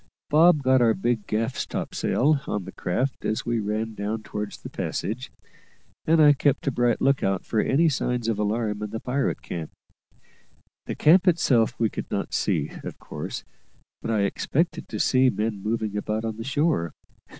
Bob got our big gaff topsail on the craft as we ran down towards the passage, and I kept a bright look out for any signs of alarm in the pirate camp. The camp itself we could not see, of course; but I expected to see men moving about on the shore.